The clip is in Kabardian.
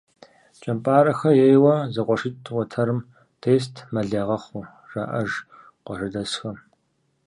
КӀэмпӀарэхэ ейуэ зэкъуэшитӀ уэтэрым тест, мэл ягъэхъуу, жаӀэж къуажэдэсхэм.